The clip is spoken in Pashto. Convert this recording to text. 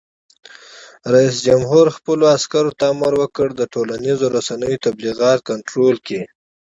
رئیس جمهور خپلو عسکرو ته امر وکړ؛ د ټولنیزو رسنیو تبلیغات کنټرول کړئ!